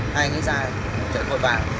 hai anh ấy ra chạy vội vã